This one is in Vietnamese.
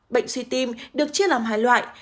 bệnh suy tim được chia làm hai loại